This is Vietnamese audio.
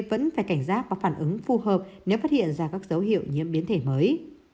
vẫn phải cảnh giác và phản ứng phù hợp nếu phát hiện ra các dấu hiệu nhiễm biến thể mới